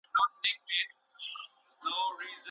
د فساد مخنیوی په روغتونونو کي څنګه کیږي؟